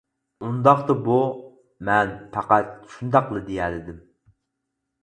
-ئۇنداقتا، بۇ. مەن پەقەت شۇنداقلا دېيەلىدىم.